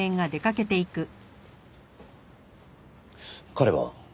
彼は？